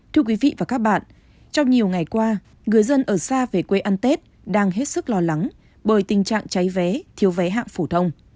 thưa quý vị và các bạn trong nhiều ngày qua người dân ở xa về quê ăn tết đang hết sức lo lắng bởi tình trạng cháy vé thiếu vé hạng phổ thông